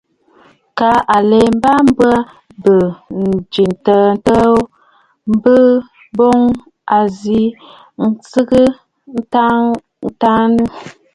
Kə̀ à lɛ mbaà m̀bə bə ǹjə̀ə̀ təə təə ò, bəə boŋ a zi tsiꞌì taaŋgɔ̀ŋə̀.